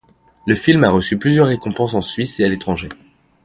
Le film a reçu plusieurs récompenses en Suisse et à l'étranger.